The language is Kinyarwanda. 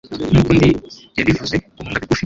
Nkuko undi yabivuze guhunga bigufi